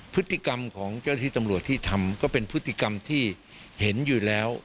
พฤติกรรมของเจ้าหน้าที่ตำรวจที่ทำก็เป็นพฤติกรรมที่เห็นอยู่แล้ว